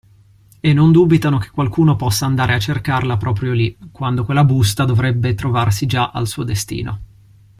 E non dubitano che qualcuno possa andare a cercarla proprio lì, quando quella busta dovrebbe trovarsi già al suo destino.